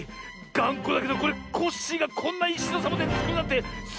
がんこだけどこれコッシーがこんないしのサボテンつくるなんてすごい。